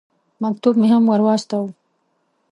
مکتوب مې هم ور واستاوه.